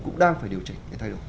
cũng đang phải điều chỉnh để thay đổi